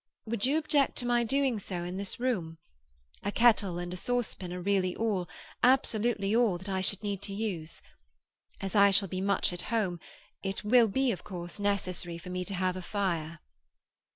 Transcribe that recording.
Would you object to my doing so in this room? A kettle and a saucepan are really all—absolutely all—that I should need to use. As I shall be much at home, it will be of course necessary for me to have a fire."